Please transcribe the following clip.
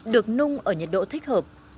được nung ở nhiệt độ thích hợp